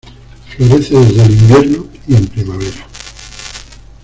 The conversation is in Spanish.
Florece desde el invierno y en primavera.